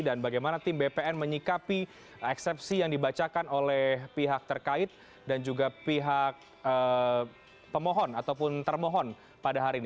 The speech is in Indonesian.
dan bagaimana tim bpn menyikapi eksepsi yang dibacakan oleh pihak terkait dan juga pihak pemohon ataupun termohon pada hari ini